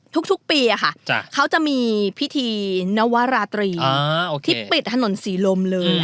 ทุกปีเขาจะมีพิธีนวราตรีที่ปิดถนนศรีลมเลย